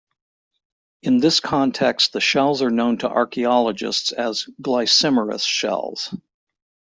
In this context the shells are known to archeologists as "Glycymeris shells".